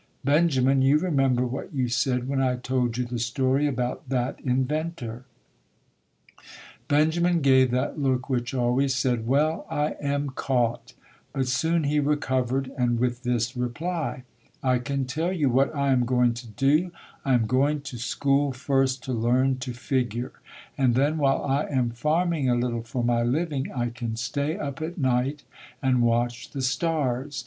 Benjamin, you remember what you said when I told you the story about that inventor". 156 ] UNSUNG HEROES Benjamin gave that look which always said, "Well, I am caught"; but soon he recovered and with this reply, "I can tell you what I am going to do, I am going to school first to learn to figure. And then while I am farming a little for my living I can stay up at night and watch the stars.